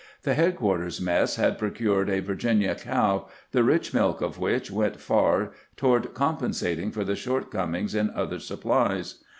The headquarters mess had procured a Virginia cow, the rich milk of which went far toward compensating for the shortcomings in other supplies.